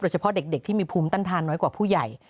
เฉพาะเด็กที่มีภูมิต้านทานน้อยกว่าผู้ใหญ่